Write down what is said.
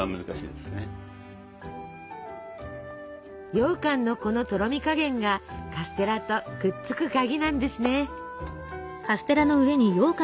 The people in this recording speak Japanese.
ようかんのこのとろみ加減がカステラとくっつく鍵なんですね。